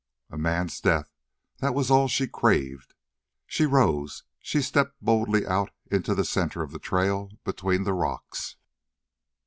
A man's death; that was all she craved. She rose; she stepped boldly out into the center of the trail between the rocks.